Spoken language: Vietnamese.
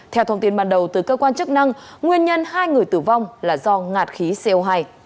theo thông tin ban đầu từ cơ quan chức năng nguyên nhân hai người tử vong là do ngạt khí co hai